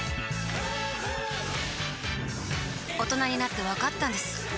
大人になってわかったんです